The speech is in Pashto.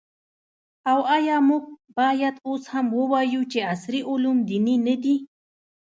او آیا موږ باید اوس هم ووایو چې عصري علوم دیني نه دي؟